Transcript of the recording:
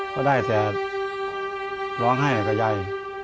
เขาได้แสดร้องให้กับยัย